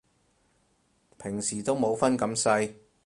平時都冇分咁細